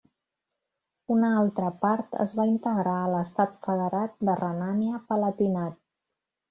Una altra part es va integrar a l'Estat federat de Renània-Palatinat.